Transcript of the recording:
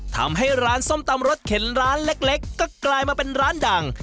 ทำให้ร้านส้มตำรสเข็นร้านเล็กก็กลายมาเป็นร้านดัง